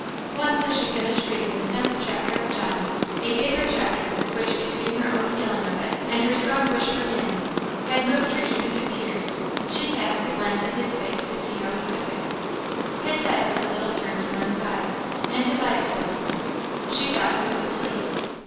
Once as she finished reading the tenth chapter of John, a favourite chapter, which, between her own feeling of it, and her strong wish for him, had moved her even to tears, she cast a glance at his face to see how he took it. His head was a little turned to one side, and his eyes closed; she thought he was asleep.